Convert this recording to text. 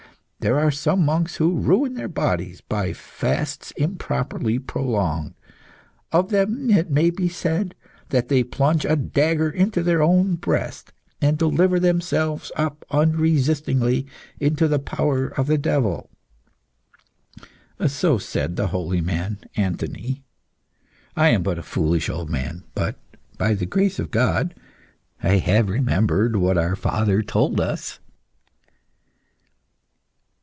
There are some monks who ruin their body by fasts improperly prolonged. Of them it may be said that they plunge a dagger into their own breast, and deliver themselves up unresistingly into the power of the devil.' So said the holy man, Anthony. I am but a foolish old man, but, by the grace of God, I have remembered what our father told us."